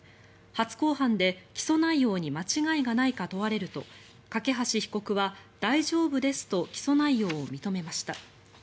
初公判で起訴内容に間違いがないか問われると梯被告は大丈夫ですと起訴内容を認めました。